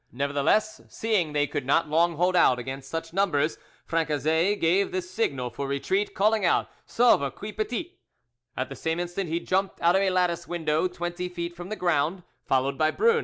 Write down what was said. Nevertheless, seeing they could not long hold out against such numbers, Francezet gave the signal for retreat, calling out, "Sauve qui petit!" at the same instant he jumped out of a lattice window twenty feet from the ground, followed by Brun.